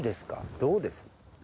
どうです？